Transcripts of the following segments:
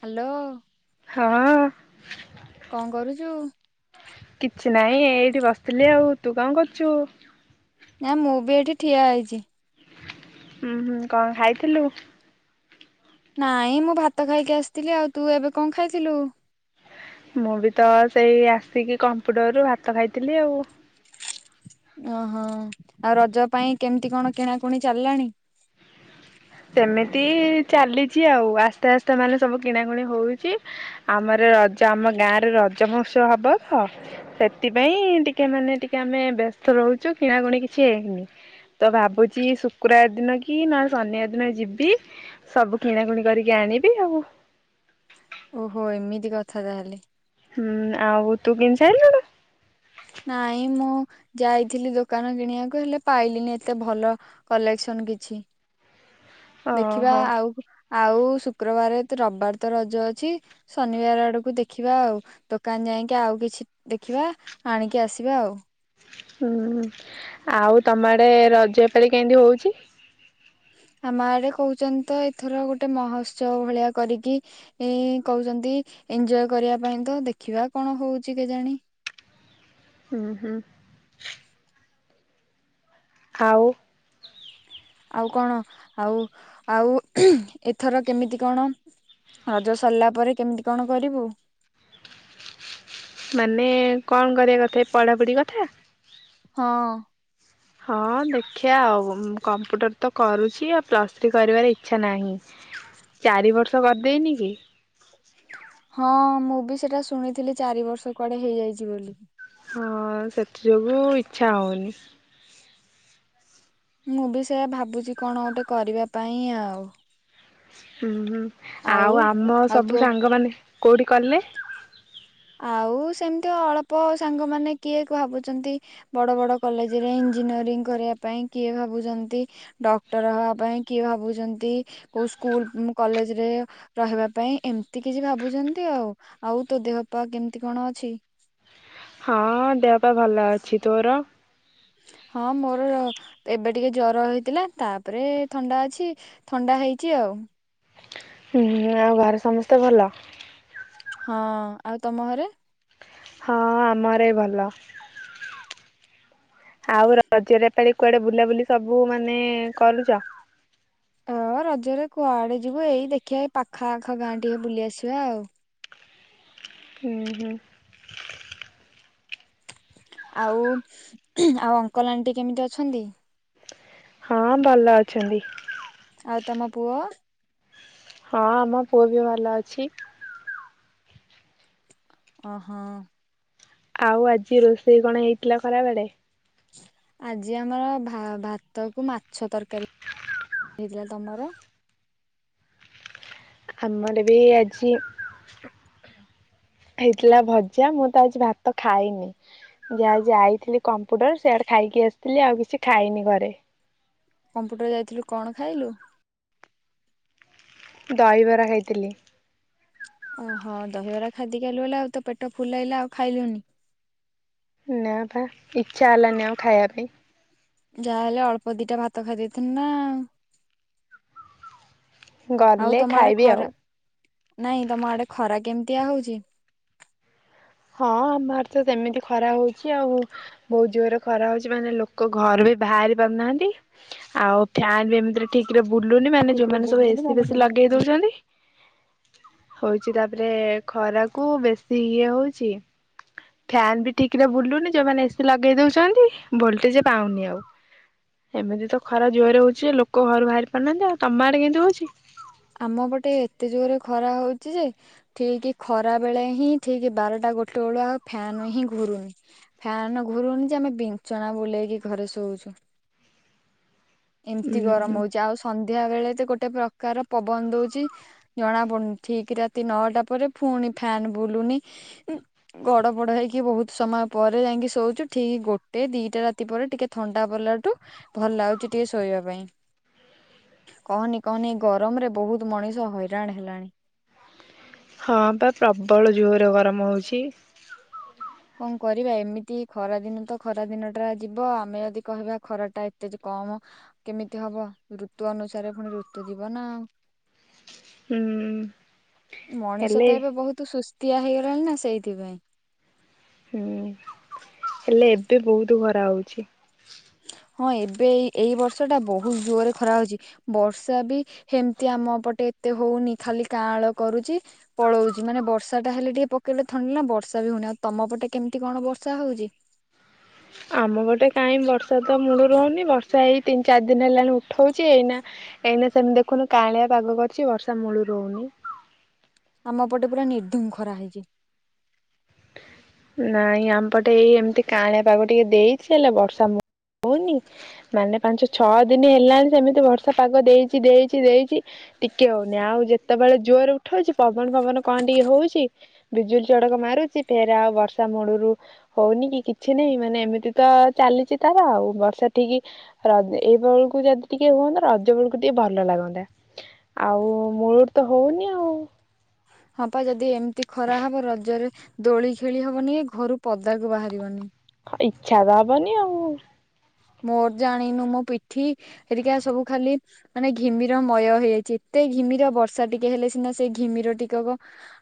Hello! ହଁ, କଣ କରୁଚୁ? କିଛି ନାଇଁ ଏଇଠି ବସିଥିଲି ଆଉ, ତୁ କଣ କରୁଛୁ? ନା, ମୁଁ ବି ଏଇଠି ଠିଆ ହେଇଛି। ହୁଁ, ହୁଁ କଣ ଖାଇଥିଲୁ? ନାଇଁ, ମୁଁ ଭାତ ଖାଇକି ଆସିଥିଲି। ଆଉ ତୁ ଏବେ କଣ ଖାଇଥିଲୁ? ମୁଁ ବି ତ ସେଇ ଆସିକି, କମ୍ପ୍ୟୁଟର ରୁ ଭାତ ଖାଇଥିଲି ଆଉ। ଓହୋ! ଆଉ ରଜ ପାଇଁ କେମିତି କଣ କିଣାକୁଣି ଚାଲିଲାଣି? ସେମିତି-ଇ ଚାଲିଛି ଆଉ, ଆସ୍ତେ ଆସ୍ତେ ମାନେ ସବୁ କିଣାକୁଣି ହଉଛି ଆମର ରଜ ଆମ ଗାଁରେ, ରଜ ମହୋତ୍ସବ ହବ ତ! ସେଥିପାଇଁ ଟିକେ ମାନେ ଟିକେ ଆମେ ବେ ବେସ୍ତ ରହୁଛୁ। କିଣାକୁଣି କିଛି ହେଇନି। ତ ଭାବୁଛିି ଶୁକ୍ରବାର ଦିନ କି ନ ଶନିବାର ଦି ଦିନ ଯିବି। ସବୁ କିଣାକୁଣି କରିକି ଆଣିବି ଆଉ। ଓହୋ! ଏମିତି କଥା ତାହେଲେ। ହୁଁ, ଆଉ ତୁ କିଣି ସାଇଲୁଣୁ? ନାଇଁ, ମୁଁ ଯାଇଥିଲି ଦୋକାନ କିଣିବାକୁ ହେଲେ, ପାଇଲିିନି ଏତେ ଭଲ କଲେକ୍ସନ କିଛି ଦେଖିବା ଓହୋ ଆଉ। ଆଉ, ଶୁକ୍ରବାରେ ରବ୍ ବାର ତ ରଜ ଅଛି। ଶନିବାର ଆଡକୁ ଦେଖିବା ଆଉ। ଦୋକାନ ଯାଇଁକି ଆଉ କିଛି ଦେଖିବା, ଆଣିକି ଆସିବା ଆଉ। ହୁଁ, ଆଉ ତମ ଆଡେ ରଜ ଏପାଳି କେଁତି ହଉଛି? ଆମ ଆଡେ କହୁଛନ୍ତି ତ! ଏଥର ଗୋଟେ ମହୋତ୍ସବ ଭଳିଆ କରିକି, ଏଇ କହୁଛନ୍ତି। ଏଞ୍ଜୋଅୟ୍ କରିବା ପାଇଁ ତ ଦେଖିବା କଣ ହଉଛି କେଜାଣି। ହୁଁ ହୁଁ। ଆଉ ଆଉ କଣ ଆଉ ଆଉ ଏଥର କେମିତି କଣ? ରଜ ସରିଲା ପରେ କେମିତି କଣ କରିବୁ? ମାନେ କଣ କରିବା କଥା ପଢାପଢି କଥା? ହଁ। ହଁ ଦେଖିବା ଆଉ କମ୍ପ୍ୟୁଟର ତ କରୁଛି, ଆଉ ପ୍ଲସ୍ ଥ୍ରୀ କରିବାର ଇଚ୍ଛା ନାହିଁ ଚାରି ବର୍ଷ କରିଦେଇନି କି? ହଁ ମୁଁ ବି ସେଟା ଶୁଣିଥିଲି ଚାରି ବର୍ଷ କୁଆଡେ ହେଇଯାଇଛି ବୋଲି। ହଁ ସେଥି ଯୋଗୁ ଇଛା ହଉନି। ମୁଁ ବି ସେୟ ଭାବୁଛି କଣ ଗୋଟେ କରିବା ପାଇଁ ଆଉ। ହୁଁ ହୁଁ ଆଉ ଆମ ଆଉ ସବୁ ତୋ ସାଙ୍ଗମାନେ କୋଉଠି କଲେ? ଆଉ ସେମିତି ଅଳ୍ପ ସାଙ୍ଗ ମାନ କିଏ, ଭାବୁଛନ୍ତି ବଡ ବଡ କଲେଜ ରେ ଇଜିନି କରିବା ପାଇଁ କିଏ, ଭାବୁଛନ୍ତି ଡକ୍ଟର ହବା ପାଇଁ କିଏ ଭାବୁଛନ୍ତି ସ୍କୁଲ କଲେଜରେ ରହିବା ପାଇଁ ଏମିତି କିଛି ଭାବୁଛନ୍ତି, ଆଉ ଆଉ ତୋ ଦେହ ପା କେମିତି କଣ ଅଛି? ହଁ ଦେହ ପା ଭଲ ଅଛି ତୋର? [inaudible] ହଁ ମୋର ଏବେ ଟିକେ ଜ୍ର ହେଇଥିଲା ତାପରେ ଥଣ୍ଡା ଅଛି ଥଣ୍ଡା ହେଇଛି ଆଉ ଏବଂ ହୁଁ ଆଉ ଘରେ ସମସ୍ତେ ଭଲ? ହଁ ଆଉ ତମ ଘରେ? ହଁ ଆମର ଭଲ। ଆଉ ରଜରେପାଳି କୁଆଡେ ବୁଲାବୁଲି ସବୁ ମାନେ କଲୁଛ ହଁ ରଜରେ କୁଆଡେ, ଯିବୁ ଏଇ ଦେଖିବା ଏଇ ପାଖ ଆଖ ଗାଁ ଟିକେ ବୁଲି ଆସିବା ଆଉ। ହୁଁ ହୁଁ। ଆଉ ଆଉ ଅଙ୍କଲ ଆଣ୍ଟି କେମିତି ଅଛନ୍ତି? ହଁ ଭଲ ଅଛନ୍ତି। ତମ ପୁଅ! ହଁ ଆମ ପୁଅ ବି ଭଲ ଅଛି। ଓ ହୋ। ଆଉ ଆଜି ରୋଷେଇ କଣ ହେଇଥିଲା ଖରା ବେଳେ? ଆଜି ଆମର ଭାତ କୁ ମାଛ ତରକାରୀ। ଦ ବ ତମାର? ଆମର ବି ଆଜି ହେଇଥିଲା ଭଜା ମୁଁ ତ ଆଜି ଭାତ ଖାଇନି, ଯାହାଜି ଆଇଥିଲି କମ୍ପୁଟର ସେଆଡ଼େ ଖାଇ ଆସିଥିଲି ଆଉ କିଛି ଖାଇନି ଘରେ। କମ୍ପୁଟର ଯାଇଥିଲୁ କଣ ଖାଇଲୁ? ଦହିବରା ହେଇଥିଲି। ଓହୋ ଦହିବରା ଖାଦ କାଲୁ ହେଲେ ଆଉ ତ ପେଟ ଫୁଲ ହେଲା ଆଉ ଖାଇଲୁନି? ନା ବା ଇଛା ହେଲାନି ଆଉ ଖାଇବା ପାଇଁ। ଯାହାହେଲେ ଅଳ୍ପ ଦିଟା ଭାତ ଖାଇ ଦେଇଥିଲ ନା ଆଉ। ଆଉ ଗଲେ ତର ଖାଇବି ଆଉ। ଖରା ନାଇଁ ତମ ଆଡେ ଖରା କେମିତିଆ ହଉଛି? ହଁ ଆମର ତ ସେମିତି ଖରା ହଉଛି, ଆଉ ବହୁତ ଜୋରରେ ଖରା ହଉଛି ମାନେ ଲୋକ ଘର ବି ବାହାରି ପାରୁନାହାନ୍ତି ଆଉ ଫ୍ୟାନ ବି ଏମିତି ଠିକ ବୁଲୁନି ମାନେ ଠିକ୍ ରେ ଯୋଉମାନେ ସବୁ ବୁଲୁନି ଏସିି ନହେଲେ ବେଶି ଲଗେଇ ସେମାନେ ଦଉଛନ୍ତି ହଉଛି ତାପରେ ଖରାକୁ ବେଶୀ ଇଏ ହଉଛି। ଫ୍ୟାନ ବି ଠିକରେ ବୁଲୁନି ଯୋଉମାନେ ଏ ସି ଲଗେଇ ଦଉଛନ୍ତି ଭୋଲଟେଜ ପାଉନି ଆଉ। ଏମିତି ତ ଖରା ଜୋରରେ ହଉଛି ଲୋକ ଘରୁ ବାହାରି ପାରୁନାହାନ୍ତି ଆଉ ତମ ଆଡେ କେମିତି ହଉଛି। ଆମ ପଟେ ଏତେ ଜୋରରେ ଖରା ହଉଛି ଯେ ଠିକି ଖରା ବେଳେ ହିଁ ଠିକ ବାର ଟା ଗୋଟେ ବେଳୁ ଆଉ ଫ୍ୟାନ ହିଁ ଘୁରୁନି ଫ୍ୟାନ ଘୁରୁନି ଯେ ଆମେ ବିଞ୍ଚଣା ବୁଲେଇକି ଘରେ ଶୋ ଶୋଉଛୁ। ଏମିତି ଉୁଁ ହୁଁ ଗରମ ହଉଛି ଆଉ ସ ସନ୍ଧ୍ୟା ବେଳେ ତ ଗୋଟେ ପ୍ରକାର ପବନ ଦଉଛି ଜଣା ପଡୁନି ଠିକ ରାତି ନଅଟା ପରେ ଫୁଣି। ଫ୍ୟାନ ବୁଲୁନି ଗଡ ପଡ ହେଇକି ବହୁତ ସମୟ ପରେ ଯାଇଁକି ଶୋଉଛୁ ଠିକି ଗୋ ଟେ ଦିଟା ରାତି ପରେ ଟିକେ ଥଣ୍ଡା ପଇଲାଠୁ ଭଲ ଲାଗୁଛି ଟିକେ ଶୋଇବା ପାଇଁ। କହନି କହନି ଗରମରେ ବହୁତ ମଣିଷ ହଇରାଣ ହେଲାଣି। ହଁ ପା ପ୍ରବଳ ଜୋରରେ ଗରମ ହଉଛି। କଣ କରିବା ଏମିତି ଖରା ଦିନ ତ ଖରା ଦିନଟା ଯିବ ଆମେ ଯଦି କହିବା ଖରାଟା ଏତେ ଯେ କମ। କେମିତି ହବ ଋତୁ ଅନୁସାରେ ପୁଣି ଋତୁ ଯିବ ନା ଆଉ। ହୁଁ। ମଣିଷ ହେଲେ ତ ଏବେ ବହୁତ ସୁସ୍ତୀଆ ହେଇଗଲାଣି ନା ସେଇଥିପାଇଁ। ହୁଁ ହେଲେ ଏବେ ବହୁତ ଖରା ହଉଛି। ହଁ ଏବେ ଏଇ ଏଇ ବର୍ଷ ଟା ବହୁତ ଜୋରରେ ଖରା ହଉଛି ବର୍ଷା ବି ହେମିତି ଆମ ପଟେ। ଏତେ ହଉନି ଖାଲି କାଁଳ କରୁଛି ପଳଉଛି ମାନେ ବର୍ଷା ଟା ହେଲେ ଟିକେ ପକେଇଲେ ଥଣ୍ଡି ଲ ନା ବର୍ଷା ବି ହଉନି ତମ ପଟେ କେମିତି କଣ ବର୍ଷା ହଉଛି? ଆମ ପଟେ କାଇଁ ବର୍ଷା ତ ମୂଳ ରୁ ହଉନି ବର୍ଷା ଏଇ ତିନି ଚାରି ଦିନ ହେଲାଣି ଉଠଉଛି ଏଇନା। ଏଇନା ସେମିତି ଦେଖୁନୁ କାଆଁଳିଆ ପାଗ କରିଛି ବର୍ଷା ମୂଳୁରୁ ହଉନି। ଆମପଟେ ପୁରା ନିର୍ଦ୍ଧୁମ ଖରା ହେଇଛି। ନାଇଁ ଆମପଟେ ଏଇ ଏମିତି କାଆଁଳିଆ ପାଗ ଟିକେ ଦେଇଛି ହେଲେ ବର୍ଷା ମୁ ହଉନି ମାନେ ପାଞ୍ଚ ଛଅ ଦିନ ହେଲାଣି ସେମିତି ବର୍ଷା ପାଗ ଦେଇଛି ଦେଇଛି ଦେଇଛି। ଟିକେ ହଉନି ଆଉ ଯେତେବେଳେ ଜୋରରେ ଉଠଉଛି ପବନ ଫବନ କଣ ଟିକେ ହଉଛି ବିଜୁଳି ଚଢକ ମାରୁଚି ଫେ ରେ ଆଉ ବର୍ଷା ମୂଳୁରୁ ହଉନି କି କିଛି ନାହିଁ ମାନେ ଏମିତି ତ ଚାଲିଛି ତାର ଆଉ ବର୍ଷା ଠିକ। ଇ ର ଏଇବେଳକୁ ଯଦି ଟିକେ ହୁଅନ୍ତା ରଜ ବେଳକୁ ଟିକେ ଭଲ ଲାଗନ୍ତା ଆଉ। ମୂଳୁରୁ ତ ହଉନି ଆଉ। ହଁ ପା ଯଦି ଏମିତି ଖରା ହବ ରଜରେ ଦୋଳି ଖେଳି ହବନି ଘରୁ ପଦାକୁ ବାହାରିବନି। ଇଚ୍ଛା ତ ହବନି ଆଉ। ମୋର ଜାଣିନୁ ମୋ ପିଠି ହେରିକା ସବୁ ଖାଲି ମାନେ ଘିମିର ମୟ ହେଇଯାଇଛି। ଏତେ ଘିମିର ବର୍ଷା ଟିକେ ହେଲେ ସିନା ସେଇ ଘିମିର ଟିକେ କ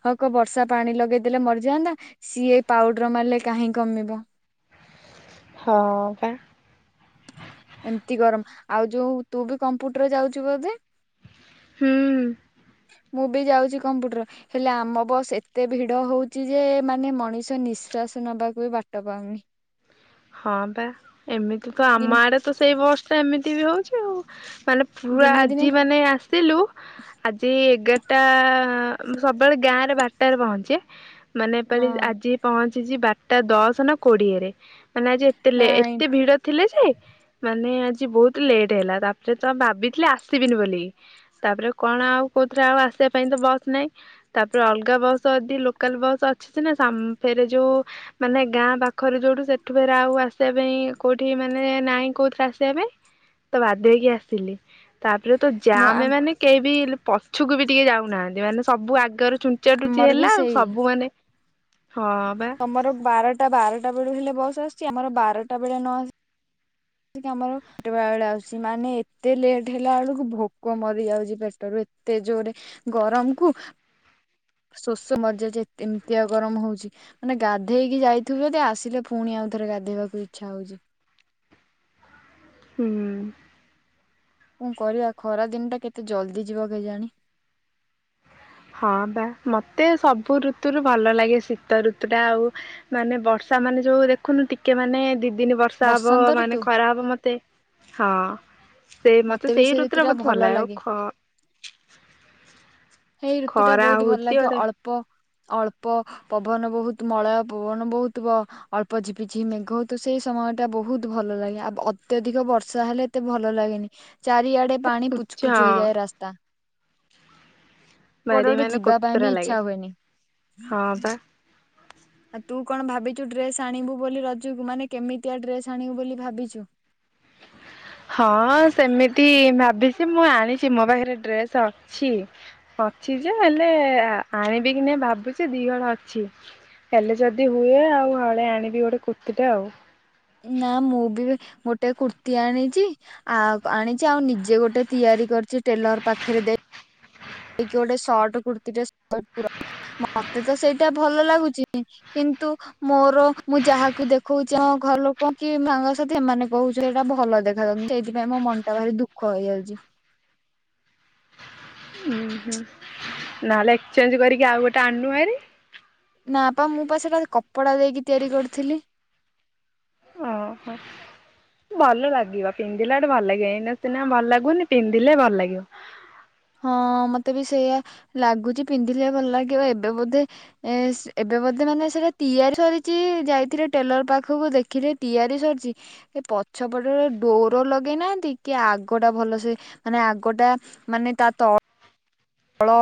ହକ ବର୍ଷା ପାଣି ଲଗେଇଦେଲେ ମରିଯାଆନ୍ତା। ସିଏ ପାଉଡର ମାରିଲେ କାହିଁ କମିବ। ହଁ ପା। ଏମିତି ଗରମ ଆଉ ଯୋଉ ତୁ ବି କମ୍ପୁଟର ଯାଉଛୁ ବୋଧେ? ହୁଁ। ମୁଁ ବି ଯାଉଛି କମ୍ପୁଟର ହେଲେ ଆମ ବସ୍ ଏତେ ଭିଡ ହଉଛି ଯେ ମାନେ ମଣିଷ ନି ଶ୍ଵାସ ନବାକୁ ବି ବାଟ ପାଉନି। ହଁ ପା ଏମିତି ତ ଆମ ଦିନେ ଆଡେ ତ ସେଇ ବସ ଟା ଏମିତି ବି ହଉଛି ଆଉ। ମାନେ ପୁରା ଦିନେ ଦିନେ ଆଜି ମାନେ ଆସିଲୁ ଆଜି ଏଗା ଟା ଉଁ ସବୁବେଳେ ଗାଁ ରେ ବାରଟାରେ ପହଞ୍ଚେ ମାନେ ଏ ପାଳି ହଁ ଆଜି ପହଞ୍ଚ ଚିଛି ବାରଟା ଦଶ ନା କୋଡିଏରେ। ମାନେ ଆଜି ଏତେ ଲେ ନାଇଁ ଏତେ ଭିଡ ଥିଲେ ଯେ ମାନେ ଆ ଜି ବହୁତ ଲେଟ୍ ହେଲା ତାପରେ ତମ ଭାବିଥିଲି ଆସିବିନି ବୋଲି ତାପରେ କଣ ଆଉ କୋଉଥିରେ ଆଉ ଆ ଆସିବା ପାଇଁ ତ ବସ୍ ନାଇ ତାପରେ ଅଲଗା ବସ୍ ଯଦି ଲୋକାଲ ବସ୍ ଅଛି ସିନା ସାମ ଫେରେ ଯୋଉ। ମାନେ ଗାଁ ପାଖରେ ଯୋଉଠୁ ସେ ଠୁ ଫେରେ ଆଉ ଆସିବା ପାଇଁ କୋଉଠି ମାନେ ନାଇଁ କୋଉଥିରେ ଆସିବା ପାଇଁ। ତ ବାଧ୍ୟ ହେଇକି ଆସିଲି। ତାପରେ ତ ଯା ମୁଁ ଆମେ ମାନେ କେହି ବି ପଛକୁ ବି ଟିକେ ଯାଉନାହାନ୍ତି ମାନେ ସବୁ ଆଗରୁ ଚୁଞ୍ଚା ଟୁଚି ଆମର ବି ହେଲା ଆଉ ସେଇ ସବୁ ମାନେ ହଁ ବା ତମର ବାରଟା ବାରଟା ବେଳୁ ହେଲେ ବସ ଆସିଛି ଆମର ବାରଟା ବେଳେ ନ ଆସି ଆମର ପଟ ବେଳେ ବେଳେ ଆସଛି ମାନେ ଏତେ ଲେଟ୍ ହେଲା ବେଳକୁ ଭୋକ ମରି ଯାଉଛି ପେଟରୁ। ତେ ଜୋରେ ଗରମ କୁ। ଶୋଷ ମରି ଯାଉଛି ଏମିତିଆ ଗରମ ହଉଛି ମାନେ ଗାଧେଇକି ଯାଇଥିବେ ଯଦି ଆସିଲେ ପୁଣି ଆ ଆଉ ଥରେ ଗାଧେଇବାକୁ ଇଚ୍ଛା ହଉଛି। ହୁଁ। କଣ କରିବା ଖରା ଦିନ ଟା କେତେ ଜଲଦି ଯିବ କେ ଜାଣି? ହଁ ବା ମତେ ସବୁ ଋତୁରୁ ଭଲ ଲାଗେ ଶୀତ ଋତୁ ଟା ଆଉ ମାନେ ବର୍ଷା ତାମାନେ ଯୋଉ ଦେଖୁନୁ ଟିକେ ମାନେ ଦି ଦିନ ବର୍ଷା ହବ ବସନ୍ତ ମାନେ ଋତୁ ଖରା ହବ ମତେ ହଁ। ସେ ମତେ ବି ସେଇ ସେ ଋତୁରେ ଋତୁ ଟା ମତେ ଭଲ ଲାଗେ। ଆ ସେଇ ଋତୁ ଟା ବହୁତ ଭଲ ଲାଗେ ଗୋଟେ ଅଳ୍ପ ଅଳ୍ପ ପବନ ବହୁତ ମଳୟ ପବନ ବହୁତ ଅଳ୍ପ ଝିପିଝି ମେଘ ହଉ ତ ସେଇ ସମୟ। ସମଟା ବହୁତ ଭଲ ଲାଗେ ଆଉ ଅତ୍ୟଧିକ ବର୍ଷା ହେଲେ ଏତେ ଭଲ ଲାଗେନି। ଚାରିଆଡେ ପାଣି ଉଚ ପୁଚୁପୁଚୁ ହଁ। ହେଇଯାଏ ରାସ୍ତା। କୋଟେ ବାରି ଗୋଟେ ମାନେ ଯିବା ପାଇଁ କୋତରା ବି ଲାଗେ ଇଚ୍ଛା ହୁଏନି। ହଁ ବା ଆଉ ତୁ କଣ ଭାବିଛୁ ଡ୍ରେସ ଆଣିବୁ ବୋଲି ରଜୁକୁ ମାନେ କେମିତିଆ ଡ୍ରେସ ଆଣିବୁ ବୋଲି ଭାବିଛୁ? ହ ହଁ ସେମିତି ଭ ସେ ମୁଁ ଆଣିଛି ମୋ ପାଖରେ ଡ୍ରେସ୍ ଅଛି ଅଛି ଯେ ହେଲେ ଆଣିବି କି ନାଇଁ ଭାବୁଛି ଦିହଳ ଅଛି। ହେଲେ ଯଦି ହୁଏ ଆଉ ହଳେ ଆଣିବି ଗୋଟେ କୁର୍ତ୍ତୀ ଟା ଆଉ। ନା ମୁଁ ବି ଗୋଟେ କୁର୍ତ୍ତି ଆଣିଛି ଆ ଆଣିଛି ଆଉ ନିଜେ ଗୋଟେ ତିଆରି କରିଛି ଟେଲର ପାଖରେ ଦେଇ କି ଗୋଟେ ସର୍ଟ କୁର୍ତ୍ତୀ ମତେ ତ ସେଇଟା ଭଲ ଲାଗୁଛି କିନ୍ତୁ। କିନ୍ତୁ ମୋର ମୁଁ ଯାହାକୁ ଦେଖଉଛି ଆ ଘର ଲୋକ କି ମାଙ୍କସା ସେମାନେ କହୁ ସେଇଟା ଭଲ ଭଲ ଦେଖାାଯାଉ ସେଇଥିପାଇଁ ମୋ ମନ ଟା ଭାରି ଦୁଖ ହେଇଯାଉଛି। ଉଁ ହୁଁ ନହେଲେ ଏକ୍ସଚେଞ୍ଜ କରିକି ଆଉ ଗୋଟେ ଆଣନୁ ହାରି। ନା ପା ମୁଁ ପା ସେଟା କପଡା ଦେଇକି ତିଆରି କରୁଥିଲି। ଓ ହୋ। ଭଲ ଲାଗିବ ପିନ୍ଧିଲାଟେ ଭଲ ଲାଗିବ ଏଇନା ସିନା ଭଲ ଲାଗୁନି ପିନ୍ଧିଲେ ଭଲ ଲାଗିବ। ହଁ ମତେ ବି ସେଇଆ ଲାଗୁଛି ପିନ୍ଧିଲେ ଭଲ ଲାଗିବ ଏବେ ବୋଧେ ସେ ଏବେ ମଧ୍ୟ ମାନ ସେଟା ତିଆରି ସରିଛି ଯାଇଥିଲେ ଟେଲର ପାଖକୁ ଦେଖିଲେ ତିଆରି ସରିଛି। ପଛପଟରେ ଡୋର ଲଗେଇନାହାନ୍ତି କି ଆଗଟା ଭଲ ସେ ମାନେ ଆଗଟା ମାନେ ତା ତଳ ଫଳ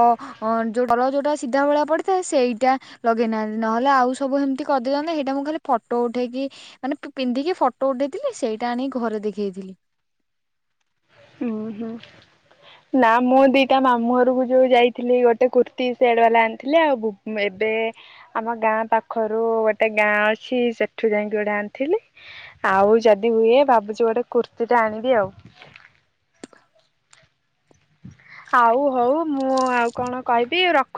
ଯୋଉ ଫଳ ଯୋଉଟା ସିଧା ଭଳିଆ ପଡିଥାଏ ସେଇଟା ଲଗେଇନାହାନ୍ତି। ନହେଲେ ଆଉ ସବୁ କେମତି କରିଦେଇଥାନ୍ତତା ସେଇଟା ମୁଁ ଖାଲି ଫଟୋ ଉଠେଇକି ମାନେ ପିନ୍ଧିକି ଫଟୋ ଉଠେଇଥିଲି ସେଇଟା ଆଣିକି ଘରେ ଦେଖେଇଥିଲି। ଉଁ ହୁଁ। ନା ମୁଁ ଦିଟା ମାମୁଁ ଘରକୁ ଯୋଉ ଯାଇଥିଲି ଗୋଟେ କୁର୍ତ୍ତୀ ସେଟ୍ ବାଲା ଆଣିଥିଲି ଆଉ ଏ ଆମ ଗାଁ ପାଖରୁ ଗୋଟେ ଗାଁ ଅଛି ସେଠୁ ଯାଇକି ଗୋଟେ ଆଣିଥିଲି। ଆଉ ଯଦି ହୁଏ ଭାବୁଚି ଗୋଟେ କୁର୍ତ୍ତିୀଟେ ଆଣିବି ଆଉ। ଆଉ ହଉ ମୁଁ ଆଉ କଣ କହିବି ରଖୁଛି।